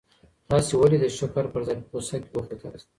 تاسي ولي د شکر پر ځای په غوسه کي بوخت یاست؟